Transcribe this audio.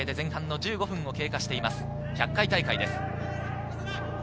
１００回大会です。